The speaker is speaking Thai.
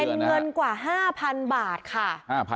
เป็นเงินกว่า๕๐๐๐บาทค่ะ